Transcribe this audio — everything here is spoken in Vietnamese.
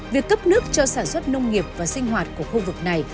việc cấp nước cho sản xuất nông nghiệp và sinh hoạt của khu vực này